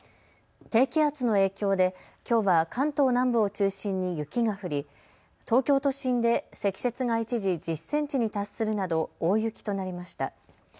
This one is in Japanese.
低気圧の影響できょうは関東南部を中心に雪が降り、東京都心で積雪が一時１０センチに達するなど大雪となりました。